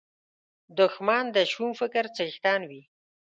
دښمن د شوم فکر څښتن وي